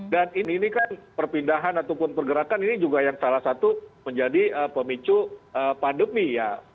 dan ini kan perpindahan ataupun pergerakan ini juga yang salah satu menjadi pemicu pandemi ya